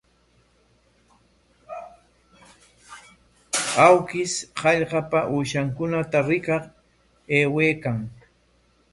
Awkish hallqapa uushankunata rikaq aywaykan.